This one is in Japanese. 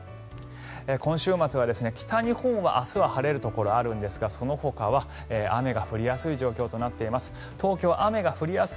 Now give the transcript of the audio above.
今週末は北日本は明日は晴れるところがあるんですがそのほかは雨が降りやすい状況となっています。